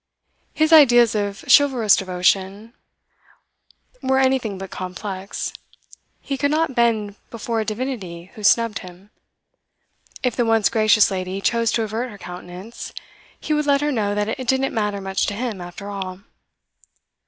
His ideas of chivalrous devotion were anything but complex; he could not bend before a divinity who snubbed him; if the once gracious lady chose to avert her countenance, he would let her know that it didn't matter much to him after all.